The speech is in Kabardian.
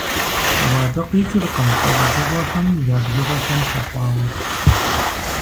Ауэ абы къикӀыркъым лӀэужьыгъуэхэм я бжыгъэм хэхъуауэ.